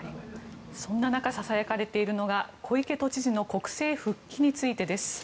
そんな中ささやかれているのが小池都知事の国政復帰についてです。